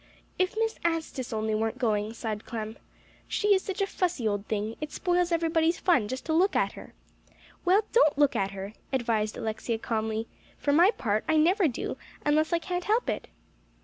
"If Miss Anstice only weren't going!" sighed Clem. "She is such a fussy old thing. It spoils everybody's fun just to look at her." "Well, don't look at her," advised Alexia calmly; "for my part, I never do, unless I can't help it."